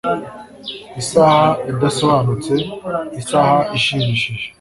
isaha idasobanutse, isaha ishimishije